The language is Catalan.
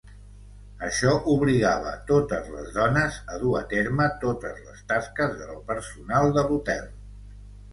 Això obligava totes les dones a dur a terme totes les tasques del personal de l'hotel.